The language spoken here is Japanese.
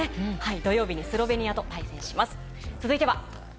土曜日にスロベニアと対戦します。